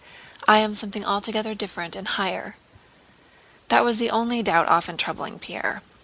I am something altogether different and higher.'" That was the only doubt often troubling Pierre.